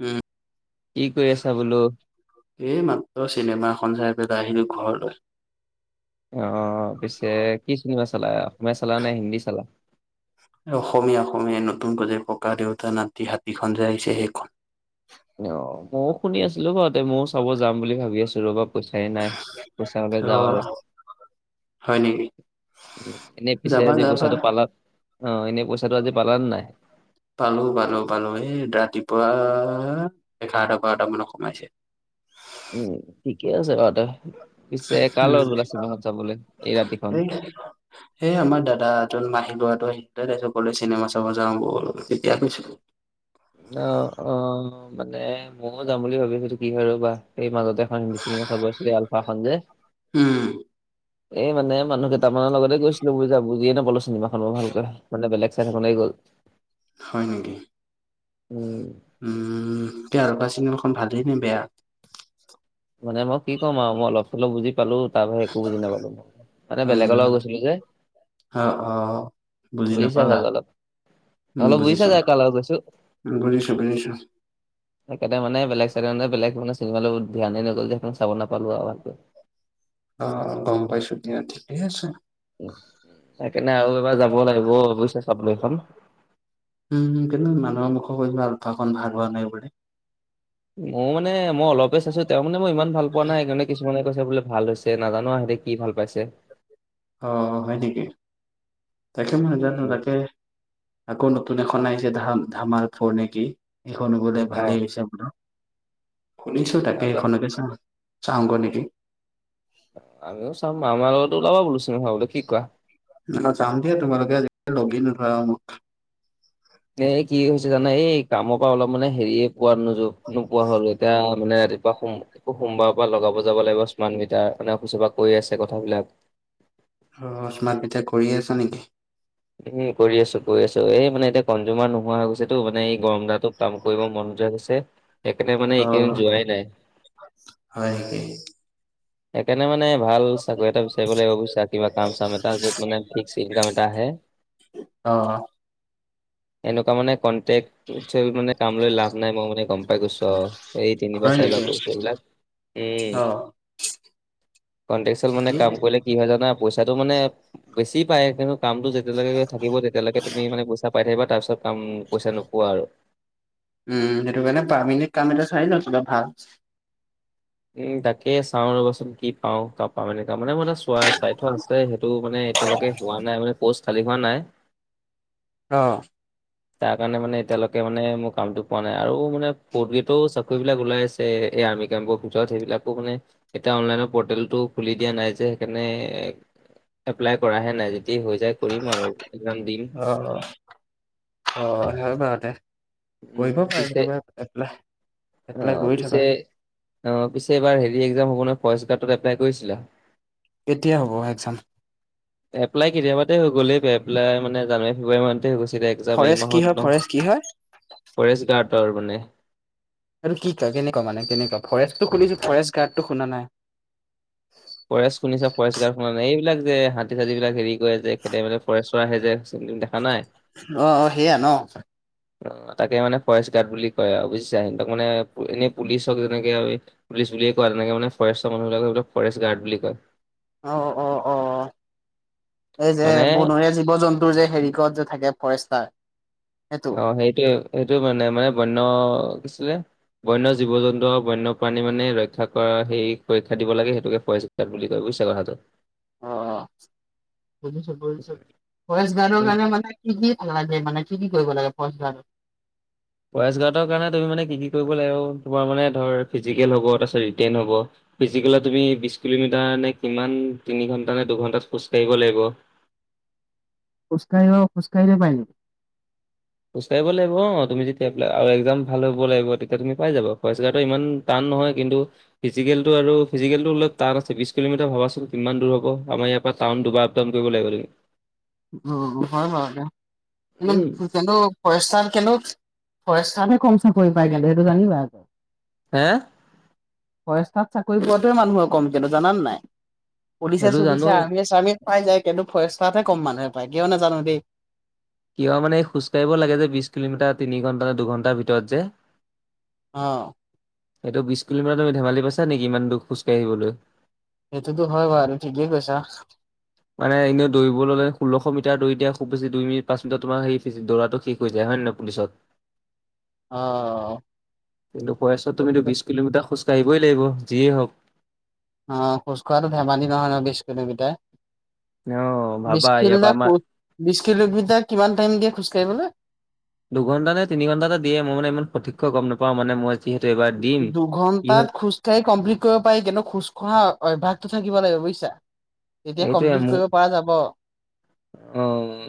উম কি কৰি আছা বোলো এই মাত্ৰ চিনেমা এখন চাই পেলাই আহিলো ঘৰলৈ অ পিছে কি চিনেমা চালা অসমীয়া চালা নে হিন্দী চালা অসমীয়া-অসমীয়া নতুনকৈ যে ককা দেউতা নাতি হাতীখন যে আহিছে সেইখন। অও ময়ো শুনি আছিলো বাওঁ দে মইও চাব যাম বুলি ভাবি আছিলো ৰবা পইচাই নাই পইচা হলে যাম অ', আৰু হয় নেকি? উম এনে পিছে যাবা আজি যাবা পইচাটো পালাত অ এনে পইচাটো আজি পালান নাই? পালো-পালো-পালো এ ৰাতিপুৱা এঘাৰটা বাৰটা মানত সোমাইছে। উম ঠিকে আছে বাৰু দে পিছে কাৰ উম, লগত গলা চিনেমা খন চাবলে এই ৰাতিখন? হেই আমাৰ দাদা এজন মাহিৰ লৰাটো আহি তাৰপিছত কলে চিনেমা চাবা যাওঁ বল তেতিয়া কৈছো। অ-অ মানে ময়ও যাম বুলি ভাবিছিলো কি হয় ৰবা এই মাজতে এখন চিনমা চাব আহিছিলোঁ আলফা খন যে উম, এই মানে মানুহ কেইটা মানৰ লগতে গৈছিলো বুজিছা বুজিয়ে নাপালো চিনেমাখন মই ভালকৈ মানে বেলেগ চাই থাকোতে গ'ল হয় নেকি [inaudible] উম কি আলফা চিনেমাখন ভালেই নে বেয়া মানে মই কি ক'ম আৰু মই অলপ চলপ বুজি পালো তাৰপাছত একো বুজি নাপালো মানে বেলেগৰ উম, লগত গৈছিলো যে অ অ বুজি বুজিছা নাপালা চাগৈ অলপ, উম অলপ বুজিছ বুজিছা চাগৈ কাৰ বুজিছো বুজিছোঁ এখেতে মানে বেলেগ চাই বেলেগ মানে চিনেমালে ধ্যানে নগ'ল সেইখন চাব নাপালো আৰু ভালকৈ অ গম পাইছোঁ দিয়া ঠিকেই আছে সেইকাৰণে আৰু এইবাৰ যাব লাগিব বুজিছা চাবলৈ সেইখন উম কিন্তু মানুহৰ মুখত শুনিলোঁ আলফাখন ভাল হোৱা নাই বুলি ময়ো মানে মই অলপে চাইছো তেওঁ মানে মই ইমান ভাল পোৱা নাই সেইকাৰণে কিছুমানে কৈছে বোলে ভাল হৈছে নাজানো আৰু সিহঁতে কি ভাল পাইছে অ হয় নেকি? তাকে মই নাজানো উম, তাকে আকৌ নতুন এখন আহিছে, ধা ধামাল ফৰ নেকি সেইখন গলে অ' ভালেই হৈছে বোলে। শুনিছো তাকে নাজা সেইখনকে চাওঁ চাওঁ গৈ নেকি? আমিও চাম আমাৰ লগতো ওলাবা বোলো চিনেমা ছাবলৈ কি কোৱা? অঁ, যাম দিয়া তোমালোকে আজি কালি লগে নধৰা মোক। এ কি হৈছে জানা এই কামৰ পৰা অলপ মানে হেৰিয়ে পোৱো যো নোপোৱা হ'লো এতিয়া মানে ৰাতিপুৱা শুম। একো সোমবাৰৰ পৰা লগাব যাব লাগিব স্মাৰ্ট মিটাৰ মে সু চপা কৈ আছে কথাবিলাক। অ স্মাতমিটাৰ কৰিয়ে আছা নেকি? উম কৰি আছো কৰি আছো, এ এই মানে এতিয়া কনজুমাৰ নোহোৱা হৈ গৈছে। টো মানে এই গৰম গাটো কাম কৰিব মন নোযোৱা হৈছে। সেইকাৰণে মানে অঁ এইকেইদিন যোৱাই নাই। হয় ঠিকে। সেইকাৰণে মানে ভাল চাকৰি এটা বিচাৰিব লাগিব বুজিছা, কিবা কাম চাম এটা যত মানে ফিক্স ইনকাম এটা আহে। অঁ অঁ এনেকুৱা মানে কনটেক্ট। থৈ মানে কাম লৈ লাভ নাই, মই মানে গম পাই গৈছো আৰু এই হয় তিনিবাৰ নেকি চাৰিবাৰ কৰিছো এইবিলাক। উম। অ কনটেকছুৱেল মানে ঠিকেই কাম কৰিলে কি হয়, জানা পইচাটো মানে বেছি পায়, কিন্তু কামটো যেতিয়ালৈকে থাকিব, তেতিয়ালৈকে তুমি মানে পইছা পাই থাকিবা, তাৰ পিছত কাম পইচা নোপোৱা আৰু। উম উম, সেইটো কাৰনে পাৰমেনেন্ট কাম এটা চাই লোৱা আচলতে ভাল। উম তাকে চাওঁ ৰ'বাচোন কি পাওঁ কাম। পাৰমেনেন্ট কাম এটা মানে মোৰ এটা চোৱা চাই থোৱা আছে, সেইটো মানে এতিয়ালৈকে হোৱা নাই মানে পষ্ট খালী হোৱা নাই। অঁ তাৰ কাৰণে মানে এতিয়ালৈকে মানে মোৰ কামটো পোৱা নাই আৰু মানে ফৰ্থ গ্ৰেডৰো চাকৰি বিলাক ওলাই আ ছে আৰ্মি কেম্পবোৰ ভিতৰত সেইবিলাকো মানে এতিয়া অনলাইনৰ পৰ্টেলটো খুলি দিয়া নাই যে সেইকাৰণে। এপ্লাই কৰাহে নাই যদি হৈ যায় কৰিম আৰু একজাম দিম। অ অ সেই বাৰু দে। উম কৰিব পিছে পাৰো ধ, এপ্লাই এপ্লাই কৰি থাকা। অঁ পিছে এইবাৰ হেৰি এক্সম হব নহয়, ফৰেষ্টগাৰ্ড এপ্লাই কৰিছিলা। কেতিয়া হ'ব এক্সাম? এপ্লাই কেতিয়াবাতে হৈ গ'লেই এপ্লাই মানে জানুৱাৰী ফ্ৰেব্ৰুৱাৰী মানতে হৈ গৈছিলে একযাম এই ফৰেষ্ট কি মাহত হয় ন। ফৰেষ্ট কি হয়? ফৰেষ্ট গাৰ্ডৰ মানে। এইটো কি কয় কেনেকুৱা মানে কেনেকুৱা ফৰেষ্টটো শুনিছো ফৰেষ্ট গাৰ্ড টো শুনা নাই। ফৰেষ্ট শুনিছা ফৰেষ্ট গাৰ্ড শুনা নাই, এইবিলাক যে হাতী চাতী বিলাক হেৰি কৰে যে খেদে মানে ফৰেষ্ট ত আহে যে দেখা নাই। অঁ অঁ হেইয়া ন। অঁ তাকে মানে ফৰেষ্ট গাৰ্ড বুলি কয় আৰু বুজিছা হিনতক মানে এনেই পুলিচক যেনেকে আমি পুলিচ বুলিয়ে কয়, তেনেকে মানে ফৰেষ্টৰ মানুহবিলাকক এইবিলাক ফৰেষ্ট গাৰ্ড বুলি কয়। অঁ অ অ এই যে মানে বনৰীয়া জীৱ জন্ ন্তু যে হেৰিকত যে থাকে ফৰেষ্টাৰ। সেইটো অঁ সেইটো সেইটো মানে মানে বন্য কি আছিলে? বন্য জীৱ জন্তু আৰু বন্যপ্ৰাণী মানে ৰক্ষা কৰা সেই সুৰক্ষা দিব লাগে, সেইটোকে ফৰেষ্ট গাৰ্ড বুলি কয় বুজিছা কথাটো। অ অ বুজিছো বুজিছো ফৰেষ্ট গাৰ্ডৰ উম কাৰনে মানে। কি কি ভাল লাগে মানে কি কি কৰিব লাগে ফৰেষ্ট গাৰ্ডত। ফৰেষ্ট গাৰ্ডৰ কাৰণে তুমি মানে কি কি কৰিব লাগিব আৰু তোমাৰ মানে ধৰ ফিজিকেল হ', ব তাৰপিছত ৰিটেইন হব। ফিজিকেলত তুমি বিশ কিলোমিটাৰ নে কিমান তিনি ঘণ্টা নে দুঘন্টাত খোজকাঢ়িব লাগিব। খোজকাঢ়ি অ খোজকাঢ়িয়ে পাই নি। খোজকাঢ়িব লাগিব অ তুমি যেতিয়া এপ্লাই আৰু এক্সাম ভাল হ'ব লাগিব তেতিয়া তুমি পাই যাবা ফৰেষ্ট গাৰ্ডত ইমান টান নহয় কিন্তু ফিজিকেলটো আৰু ফিজিকেলটো অলপ টান আছে বিশ কিলোমিটাৰ ভাবাচোন কিমান দূৰ হব আমাৰ ইয়াৰ পৰা টাউন দুবাৰ আপ দাউন কৰিব লাগিব তুমি। উম! হয় হয় দে এনে উম ফৰেষ্টাৰটো ফৰেষ্টাৰ কিন্তু ফৰেষ্টাৰতহে কম চাকৰি পায় কিন্তু সেইটো জানিবা আকৌ। হে ফৰেষ্টাৰত চাকৰি পোৱাটোৱে মানুহৰ কম কিন্তু জানা নে নাই। পুলিচ সেইটো জানো চুলিছে আৰ্মিয়ে চাৰ্মিয়ে পাই যায় কিন্তু ফৰেষ্টাৰতহে কম মানুহে পায় কিয় নাজানো দেই। কিয় মানে এই খোজকাঢ়িব লাগে যে বিশ কিলোমিটাৰ তিনি ঘণ্টা নে দুঘণ্টাৰ ভিতৰত যে। অ এইটো বিশ কিলোমিটাৰ তুমি ধেমালি পাইছা নেকি ইমান দূৰ খোজকাঢ়িবলৈ। সেইটোতো হয় বাৰু এইটো ঠিকেই কৈছা। মানে এনেও দৌৰিবলৈ হলে ষোল্লশ মিটাৰ দিয়ে খুব বেছি দুই মিনিট, পাঁচ মিনিট, তোমাৰ সেই দৌৰাটো শেষ। হৈ যায় হয় নে নহয় পুলিচত, অ'। কিন্তু ফৰেষ্টত তুমিটো সেইটোতো বিশ কিলোমিটাৰ খোজকাঢ়িবই লাগিব যিয়ে হওঁক। অ খোজকঢ়াটো ধেমালি নহয় নহয় বিশ কিলোমিটাৰ। অ' ভাবা বিশ ইয়াৰ পৰা কিলোমিটাৰ আমাৰ খোজ বিশ কিলোমিটাৰ কিমান টাইম দিয়ে খোজকাঢ়িবলৈ। দুঘণ্টা নে তিনিঘণ্টা এটা দিয়ে মই মানে ইমান সঠিক কৈ গম নাপাওঁ মানে মই। যিহেতু এইবাৰ দিম। কি হ'ল দুঘণ্টাত খোজ কাঢ়ি কমপ্লিট কৰিব পাৰি কিন্তু খোজকঢ়া অভ্যাসটো থাকিব লাগিব বুজিছা। তেতিয়া কমপ্লিট কৰিব পৰা যাব। উম!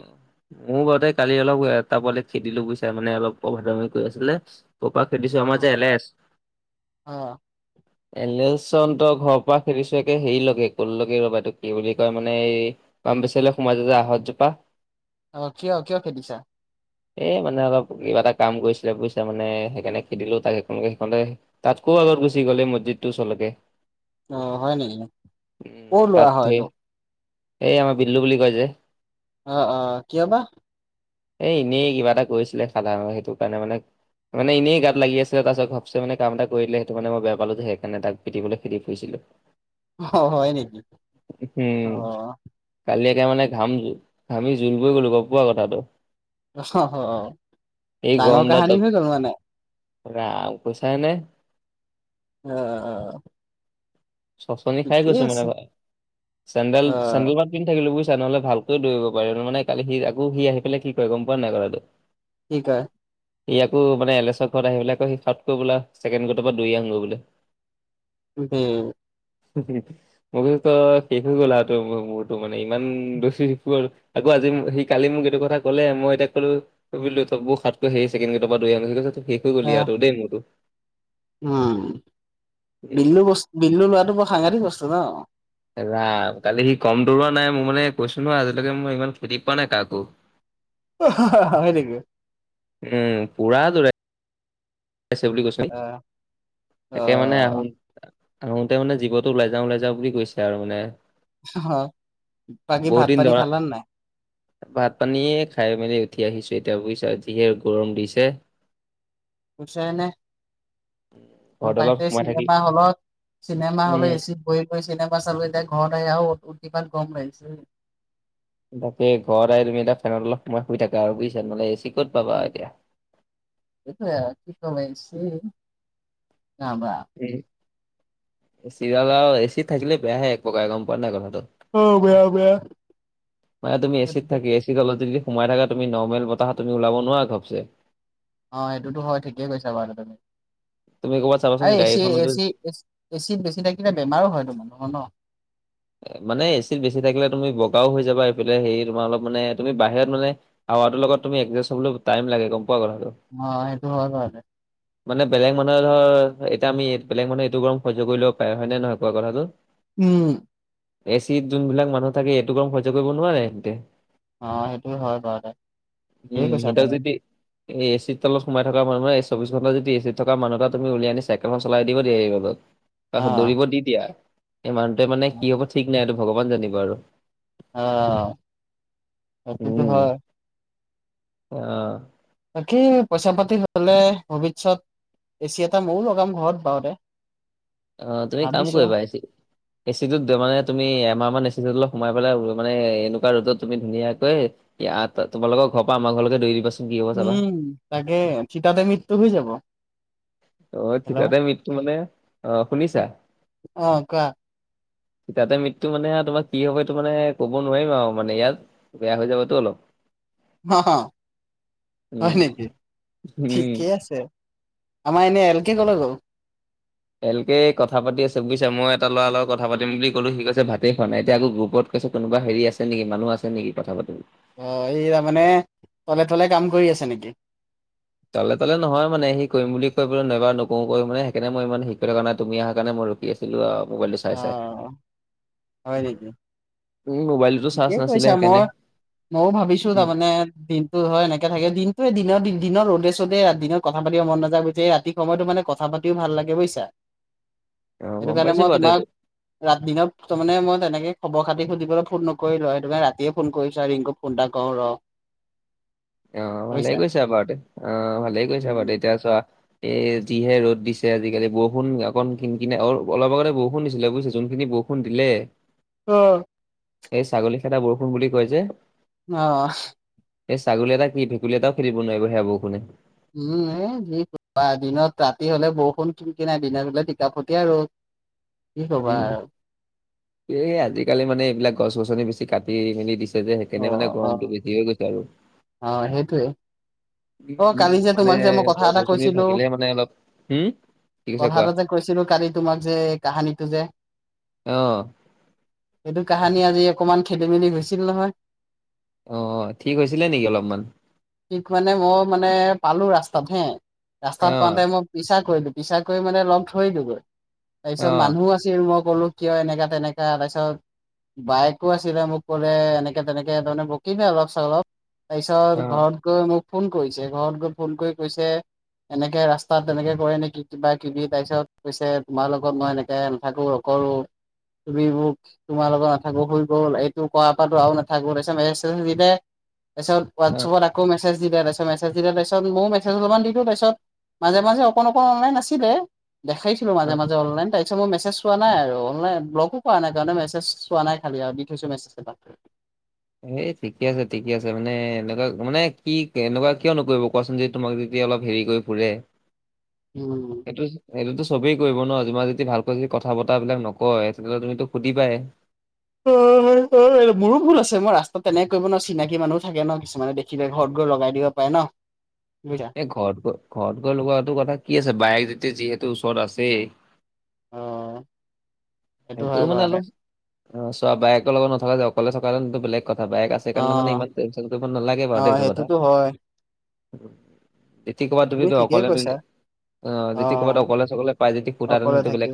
মোৰ বাৰুতে কালি অলপ এটা পোৱালিক খেদিলো বুজিছা মানে অলপ অভদ্ৰামি কৰি আছিলে। ক'ৰ পৰা খেদিছো আমাৰ অ', যে এলেচ। অ', এলেচনহঁতৰ ঘৰ পৰা খেদিছো একে হেৰি লৈকে ক'লৈকে এইটো ৰ'বা কি বুলি কয় মানে এই ফাৰ্মাচাৰী সোমাই যায় যে আহঁত জোপা। অ কিয় কিয় খেদিছা? এই মানে অলপ কিবা এটা কাম কৰিছিলে বুজিছা মানে সেইকাৰণে খেদিলো তাক সেইখনোতে সেইখনঁতে। তাতকৈ আগত গুচি গ'ল এই মছজিদটোৰ ওচৰলৈকে। অ হয় নেকি, কৰ ল'ৰা। হয় ধে এইটো? এই আমাৰ বিল্লু বুলি কয় যে। অ অ কিয় বা? এ এনেই কিবা এটা কৰিছিলে সাধাৰণতে সেইটো কাৰণে মানে মানে এনেই গাত লাগি আছিলে তাৰপিছত ভাবচো মানে কাম এটা কৰি দিলে সেইটো মানে মই বেয়া পালোঁ যে সেইকাৰণ তাক পিটিবলে খেদি ফুৰিছিলোঁ। অ' হয় নেকি। অ উম, কালি একে মানে ঘাম জ ঘামি জুল বই গ'লো গ'ম পোৱা কথাটো। অ অ এই গৰম ডাঙৰ দালত কাহানী হৈ গ'ল মানে। ৰাম কৈছাই নে। অ'অ'অ'অ'। চচনি খাই গৈছোঁ মানে আছে তাই, চেণ্ডেল অ চেণ্ডেল পাত [unintelligible] থাকিলো বুজিছা নহ'লে ভালকৈ দৌৰিব পাৰি মানে কালি সি আকৌ সি আহি পেলে কি কৰে গ'ম পোৱা নাই পোৱা কি কয়? সি আকৌ মানে এলচৰ ঘৰত আহি পেলাই কৈ সি সাউতকৈ বোলে ছেকেণ্ড গেটৰ পৰা দৌৰি আন গৈ বোলে। [unintelligible] মই কৈছো তই শেষ হৈ গ'ল তোৰ মোৰতো মানে ইমান দচি [unintelligible] আকৌ আজি সি কালি মোক এইটো কথা ক'লে মই তাক ক'লো বুলিলো ত মোৰ সাউতকৈ সেই চেকেণ্ড গেটৰ পৰা দৈ আন গৈ কৈছো শেষ হৈ গ'ল আহ ইয়াতো দে মোৰতো। উম উম, বিল্লু বছ বিল্লু ল'ৰাটো বৰ সাংঘতিক বস্তু ন'। ৰাম কালি সি কম দৌৰোৱা নাই মোৰ মানে কৈছো নহয় আজিলৈকে মই ইমান খেদি পোৱা নাই কাকো। হয় নেকি? উম পুৰা দ আহ অ এতিয়া মানে আহোন আহোতে মানে জীৱতো ওলাই যাওঁ ওলাই যাওঁ বুলি কৈছে আৰু মানে। [unintelligible] বাকী বহুত ভাত দিন পানী ধৰা খালানে নাই? ভাত পানী খাই মেলি উঠি আহিছোঁ এতিয়া বুজিছা যিহে গৰম দিছে। [unintelligible] ঘৰত অলপ তাতে সোমাই থাকি চিনেমা হলত, চিনেমা উম হলত এচিত বহি চিনেমা চালো এতিয়া ঘৰত আহি আৰু উতিপাত গৰম লাগিছে। তাকে ঘৰত আহি তুমি এতিয়া ফেনৰ তলত অলপ সময় শুই থাকা আৰু বুজিছা নহ'লে এ চি ক'ত পাবা আৰু এতিয়া। এইটোৱে কি ক'ম এ চি [unintelligible] [unintelligible] এ চিত থাকিলে বেয়াহে এক প্ৰকাৰ গ'ম পোৱা নাই কথাটো? অ বেয়া বেয়া। মানে তুমি এ চিত থাকি এ চিৰ তলতে যদি সোমাই থাকা তুমি নৰ্মেল বতাহত তুমি ওলাব নোৱাৰা ঘপছে। অ সেইটোতো হয় ঠিকেই কৈছা বাৰু তুমি, তুমি ক'ৰবাত চাবাচোন এই গাড়ী এখনতো এচি-এচি-এচি এচিত বেছিত থাকিলে বেমাৰো হয় তোমাৰ মানুহৰ ন'। মানে এচিত বেছি থাকিলে তুমি বগাও হৈ যাবা এইফালে হেৰি তোমাৰ অলপ মানে তুমি বাহিৰত মানে হাৱাটোৰ লগত তুমি এজাষ্ট হ'বলৈ টাইম লাগে গ'ম পোৱা কথাটো? অ সেইটো হয় বাৰু দে। [inaudible] মানে বেলেগ মানুহে ধৰ এতিয়া আমি বেলেগ মানুহ এইটো গৰম সহ্য কৰি ল'ব পাৰে হয় নে নহয় কোৱা কথাটো? উম। এ চিত যোনবিলাক মানুহ থাকে এইটো কম সহ্য কৰিব নোৱাৰে সেহঁতে। অ সেইটোৱে হয় বাৰু দে উম, ঠিকেই কৈছা সিহঁতক তুমি। যদি এই এ চিৰ তলত সোমাই থকা মানুহে চৌবিশ ঘণ্টা যদি এ চিত থকা মানুহ তুমি উলিয়াই আনি চাইকেলখন চলাই দিব দিয় এই ৰ'দত অ বা দৌৰিব দি দিয়া এই মানুহটোৱে মানে কি হ'ব ঠিক নাই এইটো ভগৱান জানিব আৰু। অ সেইটোতো উম। হয়। অ বাকী পইচা পাতি হ'লে ভৱিষ্যত এ চি এটা ময়ো লগাম ঘৰত [unintelligible] অ তুমি কাম ভাবিছো কৰিবা এ চি এ চি টোত মানে তুমি এমাহ মান এচি টো অলপ সোমাই পেলাই মানে এনেকুৱা ৰ'দত তুমি ধুনীয়াকৈ ইয়াত তোমোকৰ ঘৰ পৰা আমাৰ ঘৰলৈ [unintelligible] দিবাচো উম তাকে ঠিতাতে মৃত্যু হৈ যাব। অ হেল্ল' ঠিতাতে মৃত্যু মানে অ শুনিছা? অ কোৱা ই তাতে মৃত্যু মানে তোমাৰ কি হব এইটো মানে ক'ব নোৱাৰিম আৰু মানে ইয়াত। [unintelligible] বেয়া হৈ যাবতো অলপ। [unintelligible] [unintelligible] হয় উম, নেকি? উম। ঠিকে আছে। আমাৰ এনে এল কে কলে গ'ল? [unintelligible] এলকে কথা পাতি আছে বুজিছা। মই এটা ল'ৰা লগত কথা পাতিম বুলি কলো ভাতে খোৱা নাই। এতিয়া আকৌ গ্ৰুপত [unintelligible] কৈছে কোনবা হেৰি আছে নেকি? মানুহ আছে নেকি কথা পাতিব [unintelligible] অঁ এইয়া মানে তলে-তলে কাম কৰি আছে নেকি? [unintelligible] তলে-তলে নহয় মানে সি কৰিম বুলি কৈ নাইবাৰ নকৰো কৈ মানে সেইকাৰণে মই ইমান হেৰি কৰি থকা নাই তুমি অহা কাৰণে মোৰ [unintelligible] ৰখি আছিলো আৰু মোবাইলটো চাই-চাই। [unintelligible] অ', হয় নেকি? মোবাইল ঠিকেই কৈছা। মই ময়ও ভাবিছো তাৰমানে দিন [unintelligible] [unintelligible] হয় এনেকে থাকে। দিনটো দিনৰ-দিনৰ ৰ'দে-চ'দে দিনত কথা পাতিব মন নাযায় বুজি [inaudible] এই ৰাতি সময়তো মানে কথা পাতিও ভাল লাগে বুজিছা। অ সেইটো গম কাৰণে পাইছো মই বাৰু দে তোমাক [unintelligible] ৰাতি দিনত তাৰ মানে মই তেনেকে খবৰ খাতি সুধিবলৈ ফোন নকৰ [inaudible] [inaudible] আৰু ৰাতিয়ে ফোন কৰিছো আৰু ৰিংকুক ফোন এটা কওঁ ৰ [unintelligible] অঁ ভালে বুইছা। কৈছা আ বাৰু দে, অঁ ভালে কৈছা আ বাৰু দে। এতিয়া চোৱা [inaudible] এ যিহে ৰ'দ দিছে আজিকালি। বৰষুণ অকণ কিন কিনে অ অলপ আগতে বৰষুণ দিছিলে বুজিছা। যোনখিনি বৰষুণ [inaudible] [inaudible] দিলে অ! [unintelligible] এই ছাগলী খেদা বৰষুণ বুলি কয় যে। [unintelligible] অঁ [unintelligible] এই ছাগলী এটা কি ভেকুলী এটা খেলিব নোৱাৰিব সেয়া বৰষুণে। [inaudible] উম! এ যি দিনত ৰাতি হলে বৰষুণ কিন কি নাই দিনত হলে টিকাফটিয়া ৰ'দ। [unintelligible] কি ক'বা উম! আৰু এই আজিকালি মানে এইবিলাক গছ-গছনি বেছি কাটি মেলি দিছ [unintelligible] [unintelligible] যে সেইকাৰণে মানে গৰমটো বেছি হৈ গৈছে আৰু। অঁ! সেইটোৱেই। [inaudible] উম-উম! মানে কথা এটা গছ-গছনি কৈছিলো থাকিলে মানে অলপ হম! [unintelligible] কথা এটা যে কৈছিলো কালি তোমাক যে এই কাহানীটো যে? [unintelligible] অঁ! [inaudible] এইটো কাহানি আজি অকমান খেদি মেলি হৈছিল নহয়। [unintelligible] অঁ-অঁ! ঠিক হৈছিলে নেকি অলপমান? [inaudible] ঠিক মানে মই মানে পালো ৰাস্তাত হে ৰাস্তাত পাওঁতে অ', মই [inaudible] পিছা কৰিলো। পিছা কৰি মানে লগ ধৰিলো গৈ অ', তাৰপিছত মানুহ আছিল মই ক'লো [inaudible] কিয় এনেকা-তেনেকা তাৰপিছত [inaudible] বাইকো আছিলে মোক ক'লে এনেকে-তেনেকে তাৰমানে বকিচে অলপ-চলপ। তাৰপিছত [unintelligible] অ', ঘৰত গৈ মোক ফোন কৰিছে ঘৰত গৈ ফোন কৰি কৈছে [unintelligible] এনেকে ৰাস্তাত তেনেকে কৰে নেকি কিবাকিবি তাৰপিছত কৈছে তোমাৰ লগত মই এনেকে নাথাকো। [unintelligible] [inaudible] তুমি মোক [unintelligible] তোমাৰ লগত নাথাকো হৈ গ'ল। এইটো কৰা পৰাতো আৰু নাথাকো তাৰপিছত মেছেজ-চেছেজ দিলে। তাৰপিছত [unintelligible] অ', হোৱাটচএপত আকৌ মেছেজ দিলে তাৰপিছত মেছেজ‌ দিলে তাৰপিছত মইয়ো মেছেজ অলপমান দিলো তাৰপিছত [unintelligible] মাজে-মাজে অকণ-অকণ অনলাইন আছিলে দেখিছিলো অ'। মাজে-মাজে অনলাইন। তাই [unintelligible] তাৰপিছত মই মেছেজ চোৱা নাই আৰু অনলাইন ব্লকো কৰা নাই কাৰণে মেছেজ চোৱা নাই খালি আৰু দি থৈছো মেছেজ [unintelligible] এই ঠিকে আছে, ঠিকে আছে মানে এনেকুৱা মানে কি এনেকুৱা কিয় নকৰিব কোৱা চোন যে [inaudible] তোমাক যেতিয়া অলপ হেৰি কৰি ফুৰে [unintelligible] উম! [inaudible] এইটো-এইটোতো চবেই কৰিব ন তোমাৰ যদি ভালকৈ যদি কথা বতা বিলাক নকয়। তেনেহলেতো তুমিতো সুধিবাই [unintelligible] [inaudible] অ মোৰো ভুল আছে মই ৰাস্তাত তেনেকে কৰিব ন চিনাকি মানুহো থাকে ন কিছুমানে দেখিলে ঘৰত গৈ লগাই দিঅ। পাৰে ন বুইচা। এ ঘৰত গৈ ঘৰত গৈ লগোৱাটো কথা কি আছে বাইক যেতিয়া যিহেতু ওচৰত আছে। অ। সেইটো হয় মানে বাৰু দে অলপ অ চোৱা বায়েকৰ লগত নথকা যে অকলে থকালেটো বেলেগ কথা, বায়েক আছ। অ সেইকাৰণে মানে ইমান টেনচন কৰিব নালাগে বাৰু অ দেটো কথা। সেইটোতো হয় যেতি ক'ৰবাত তুমি ঠিকেই অকলে কৈছা অ যেতি ক'ৰবাত অকলে অকলে পাই যে অকলে কুটানটো থাকি বেলেক।